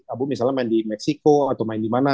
abu misalnya main di meksiko atau main dimana